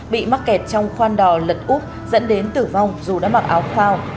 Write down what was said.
bị mắc kẹt trong khoan đò lật úp dẫn đến tử vong dù đã mặc áo phao